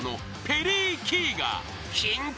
ペリー・キー。